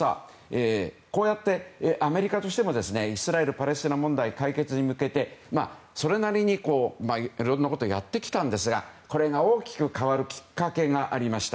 こうやってアメリカとしてもイスラエル、パレスチナ問題の解決に向けてそれなりにいろんなことをやってきたんですがこれが大きく変わるきっかけがありました。